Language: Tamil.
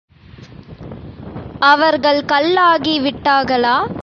அவர்கள் கல்லாகி விட்டாாகளா?